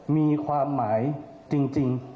มีความหมายจริง